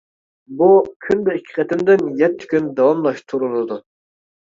بۇ كۈندە ئىككى قېتىمدىن يەتتە كۈن داۋاملاشتۇرۇلىدۇ.